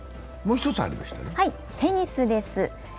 テニスです。